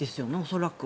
恐らく。